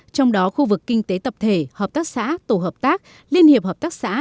trong đó khu vực kinh tế tập thể hợp tác xã tổ hợp tác liên hiệp hợp tác xã